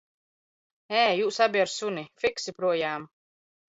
Ē, jūs abi ar suni, fiksi projām!